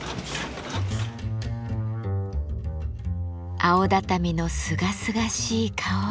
青畳のすがすがしい香り。